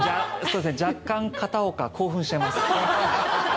若干片岡、興奮しちゃいます。